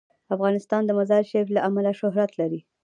افغانستان د مزارشریف له امله شهرت لري.